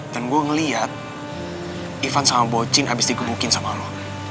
dan gue ngeliat ivan sama bocin abis digebukin sama lu